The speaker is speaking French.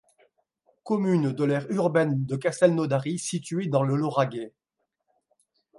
Commune de l'aire urbaine de Castelnaudary située dans le Lauragais.